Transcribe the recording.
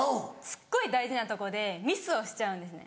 すっごい大事なとこでミスをしちゃうんですね。